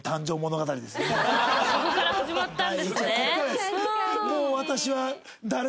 そこから始まったんですね。